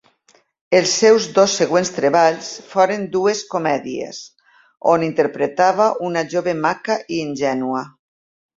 Els seus dos següents treballs foren dues comèdies, on interpretava una jove maca i ingènua.